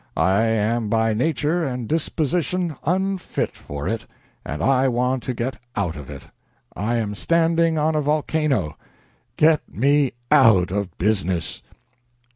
I am by nature and disposition unfit for it, and I want to get out of it. I am standing on a volcano. Get me out of business."